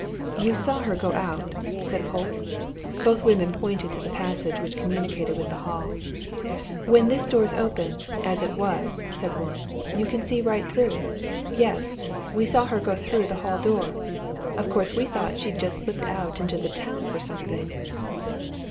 "You saw her go out?" said Polke. Both women pointed to the passage which communicated with the hall. "When this door's open as it was," said one, "you can see right through. Yes we saw her go through the hall door. Of course we thought she'd just slipped out into the town for something."